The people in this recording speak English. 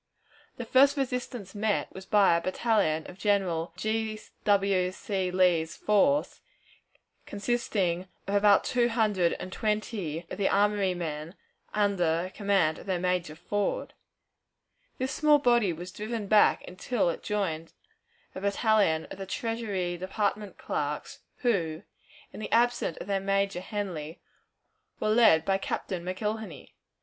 The first resistance met was by a battalion of General G. W. C. Lee's force, consisting of about two hundred and twenty of the armory men, under command of their major, Ford. This small body was driven back until it joined a battalion of the Treasury Department clerks, who, in the absence of their major, Henly, were led by Captain McIlhenney.